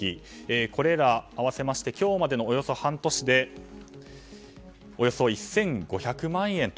これら合わせまして今日までのおよそ半年でおよそ１５００万円と。